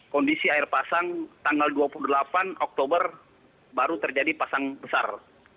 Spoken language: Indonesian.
kondisi air pasang tanggal dua puluh delapan oktober baru terjadi pasang besar